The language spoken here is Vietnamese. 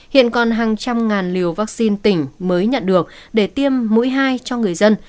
hiện còn hàng trăm ngàn liều vaccine tỉnh mới nhận được để tiêm mũi hai cho người dân